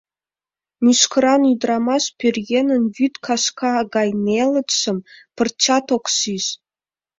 Мӱшкыран ӱдырамаш пӧръеҥын вӱд кашка гай нелытшым пырчат ок шиж.